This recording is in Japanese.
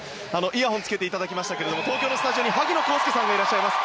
イヤホンしていただきましたが東京のスタジオに萩野公介さんがいらっしゃいます。